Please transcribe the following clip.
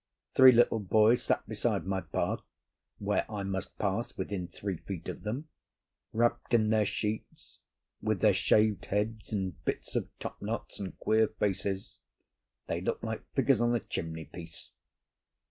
Three little boys sat beside my path, where I must pass within three feet of them. Wrapped in their sheets, with their shaved heads and bits of top knots, and queer faces, they looked like figures on a chimney piece.